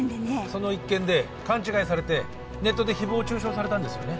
その一件で勘違いされてネットで誹謗中傷されたんですよね